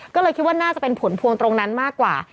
ก็เลยคิดว่าน่าจะเป็นผลพวงตรงนั้นมากกว่า